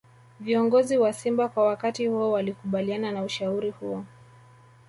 Viongozi wa Simba kwa wakati huo walikubaliana na ushauri huo